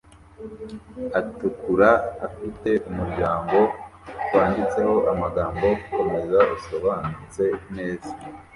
atukura afite umuryango wanditseho amagambo Komeza usobanutse neza